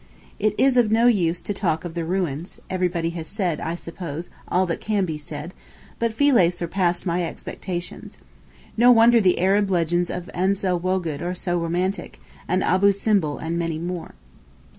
It is of no use to talk of the ruins; everybody has said, I suppose, all that can be said, but Philæ surpassed my expectations. No wonder the Arab legends of Ans el Wogood are so romantic, and Abou Simbel and many more.